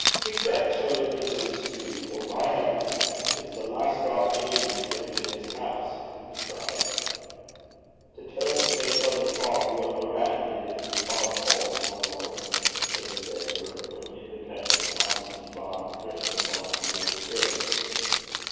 'Kick that toad into the street, or, by heaven! it's the last drop any of you drink in this house!' he cried. 'The taed may tell the poddock (frog) what the rottan (rat) did i' the taed's hole, my lord,' said MacGregor, whom independence, honesty, bile, and drink combined to render fearless.